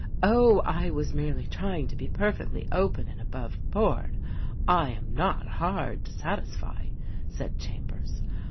"Oh, I was merely trying to be perfectly open and above board — I am not hard to satisfy," said Chambers.